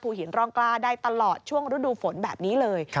หินร่องกล้าได้ตลอดช่วงฤดูฝนแบบนี้เลย